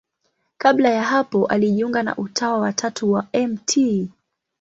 Kabla ya hapo alijiunga na Utawa wa Tatu wa Mt.